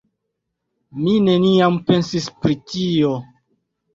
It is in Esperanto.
Mi neniam pensis pri tio.